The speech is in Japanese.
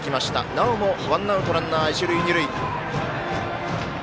なおもワンアウトランナー、一塁二塁。